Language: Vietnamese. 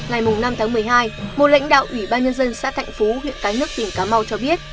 ngày năm tháng một mươi hai một lãnh đạo ủy ban nhân dân xã thạnh phú huyện cái nước tỉnh cà mau cho biết